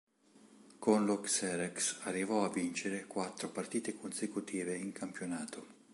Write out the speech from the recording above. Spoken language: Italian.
Con lo Xerez arrivò a vincere quattro partite consecutive in campionato.